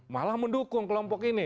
malah mendukung kelompok ini